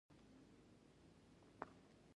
روغتون ته چې را ورسېدم لوند خېشت وم.